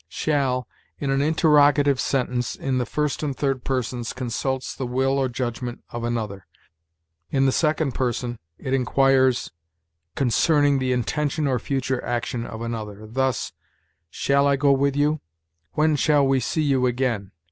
SHALL, _in an interrogative sentence, in the first and third persons, consults the will or judgment of another; in the second person, it inquires concerning the intention or future action of another_. Thus, "Shall I go with you?" "When shall we see you again?"